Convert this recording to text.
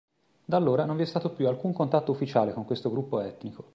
Da allora non vi è stato più alcun contatto ufficiale con questo gruppo etnico.